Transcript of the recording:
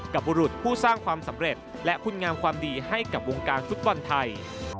บุรุษผู้สร้างความสำเร็จและคุณงามความดีให้กับวงการฟุตบอลไทย